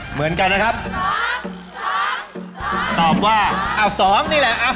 เหมือนกันนะครับสองสองสองตอบว่าอ่ะสองนี่แหละอ่ะ